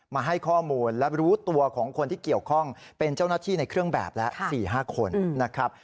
มาให้ข้อมูลและรู้ตัวของคนที่เกี่ยวข้องเป็นเจ้าหน้าที่ในเครื่องแบบแล้ว๔๕คนนะครับ